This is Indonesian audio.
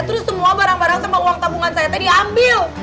terus semua barang barang sama uang tabungan saya tadi ambil